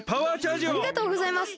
ありがとうございます！